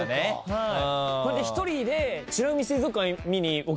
はい。